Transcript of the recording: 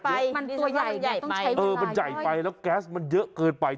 ไปมันตัวใหญ่ใหญ่ไปเออมันใหญ่ไปแล้วแก๊สมันเยอะเกินไป